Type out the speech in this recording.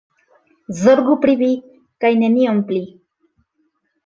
Zorgu pri vi, kaj nenion pli.